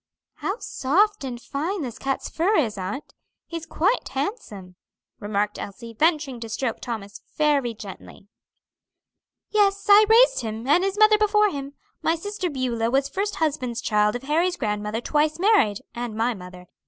"How soft and fine this cat's fur is, aunt; he's quite handsome," remarked Elsie, venturing to stroke Thomas very gently. "Yes, I raised him, and his mother before him. My sister Beulah was first husband's child of Harry's grandmother twice married, and my mother.